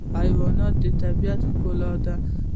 حیوانات د طبیعت ښکلا ده.